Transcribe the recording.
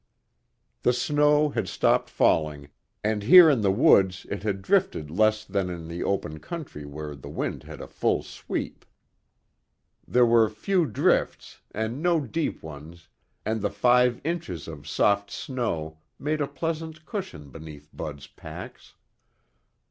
The snow had stopped falling, and here in the woods it had drifted less than in the open country where the wind had a full sweep. There were few drifts and no deep ones, and the five inches of soft snow made a pleasant cushion beneath Bud's pacs.